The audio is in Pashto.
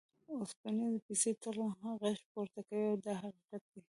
اوسپنیزې پیسې تل غږ پورته کوي دا حقیقت دی.